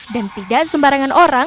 dan tidak sembarangan orang